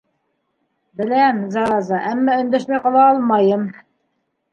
Беләм, зараза, әммә өндәшмәй ҡала алмайым!